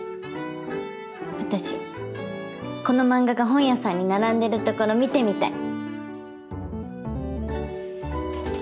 私この漫画が本屋さんに並んでるところ見てみたい。